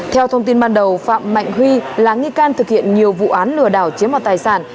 theo thông tin ban đầu phạm mạnh huy là nghi can thực hiện nhiều vụ án lừa đảo chiếm vào tài sản